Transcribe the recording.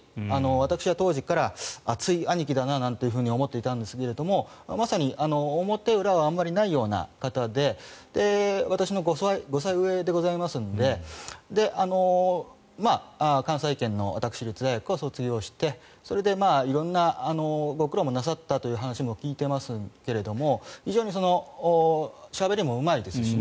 私は当時から熱い兄貴だなと思っていたんですけれども表裏はあまりないような方で私の５歳上ですので関西圏の私立大学を卒業してそれで色んなご苦労もなさったという話も聞いてますけれども非常にしゃべりもうまいですし。